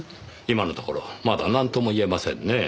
今のところまだなんとも言えませんねぇ。